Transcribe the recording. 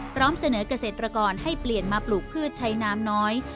พร้อมเสนอเกษตรกรให้เปลี่ยนมาปลูกพืชใช้น้ำน้อย